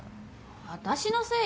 私のせい？